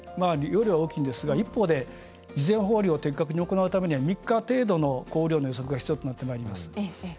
容量は大きいんですが、一方で事前放流を的確に行うためには３日程度の降雨量の予測が必要となってまいります。